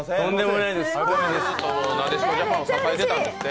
なでしこジャパンを支えてたんですって。